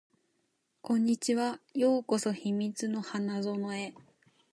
こんにちは。ようこそ秘密の花園へ